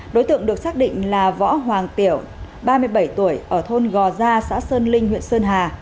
đối tượng được xác định là võ hoàng tiểu ba mươi bảy tuổi ở thôn gò gia xã sơn linh huyện sơn hà